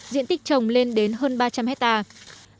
diện tích trồng lên đến hơn ba trăm linh hectare